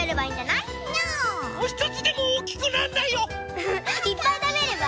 いっぱいたべれば？